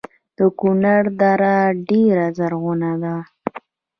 د کونړ دره ډیره زرغونه ده